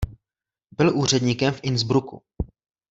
Byl úředníkem v Innsbrucku.